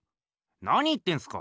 なに言ってんすか？